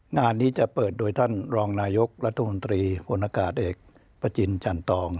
งานนี้จะเปิดโดยท่านรองนายกรัฐมนตรีผลอากาศเอกประจินจันตอง